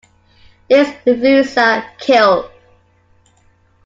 This influenza killed.